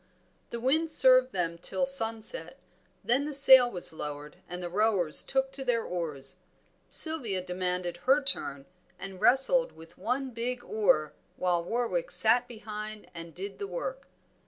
The wind served them till sunset, then the sail was lowered and the rowers took to their oars. Sylvia demanded her turn, and wrestled with one big oar while Warwick sat behind and did the work.